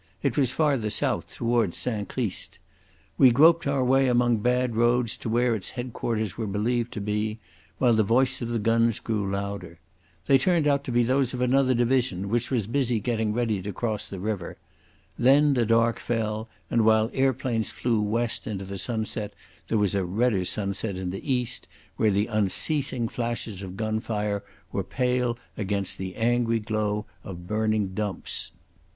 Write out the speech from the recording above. It was farther south towards St Christ. We groped our way among bad roads to where its headquarters were believed to be, while the voice of the guns grew louder. They turned out to be those of another division, which was busy getting ready to cross the river. Then the dark fell, and while airplanes flew west into the sunset there was a redder sunset in the east, where the unceasing flashes of gunfire were pale against the angry glow of burning dumps.